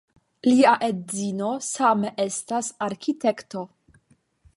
Lia edzino same estas arkitekto.